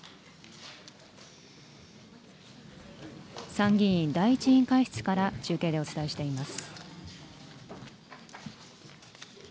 参議院第１委員会室から中継でお伝えしています。